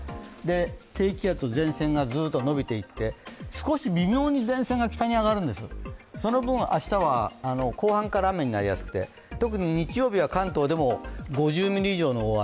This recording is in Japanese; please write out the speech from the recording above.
低気圧と前線がずっと伸びていって、少し微妙に前線が北に上がるんです、その分、明日は後半から雨になりやすくて特に日曜日は関東でも５０ミリ以上の大雨。